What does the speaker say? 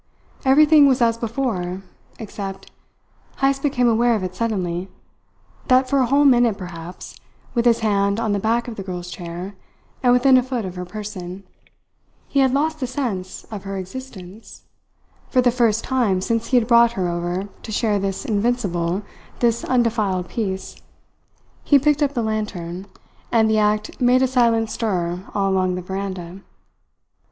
Everything was as before, except Heyst became aware of it suddenly that for a whole minute, perhaps, with his hand on the back of the girl's chair and within a foot of her person, he had lost the sense of her existence, for the first time since he had brought her over to share this invincible, this undefiled peace. He picked up the lantern, and the act made a silent stir all along the veranda.